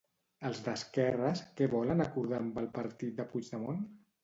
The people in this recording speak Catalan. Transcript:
Els d'esquerres, què volen acordar amb el partit de Puigdemont?